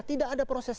tidak ada proses itu